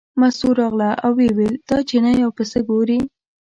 مستو راغله او ویې ویل دا چینی او پسه ګورې.